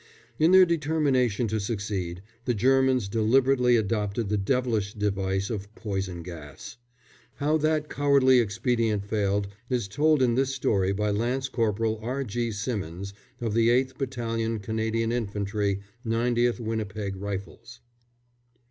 In their determination to succeed, the Germans deliberately adopted the devilish device of poison gas. How even that cowardly expedient failed is told in this story by Lance Corporal R. G. Simmins, of the 8th Battalion Canadian Infantry, 90th Winnipeg Rifles.